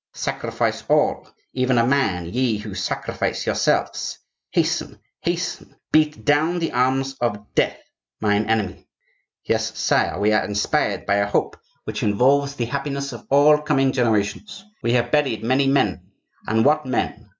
sacrifice all, even a man, ye who sacrifice yourselves! Hasten! hasten! Beat down the arms of DEATH, mine enemy!' Yes, sire, we are inspired by a hope which involves the happiness of all coming generations. We have buried many men—and what men!